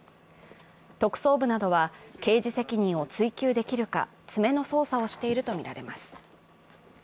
特捜部などは、刑事責任を追及できるか詰めの捜査をしているとみられます。